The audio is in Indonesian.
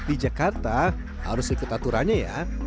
kalau ingin bertanah bebek di jakarta harus ikut aturannya ya